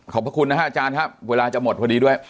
ขอบพระคุณนะครับอาจารย์ว่าเวลาจะหมดพอดีด้วย